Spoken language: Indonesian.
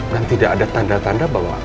dan tidak ada tanda tanda bahwa